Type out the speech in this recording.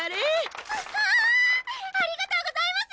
ありがとうございます！